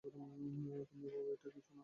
তুমি ভাবো এটা কিছুই না?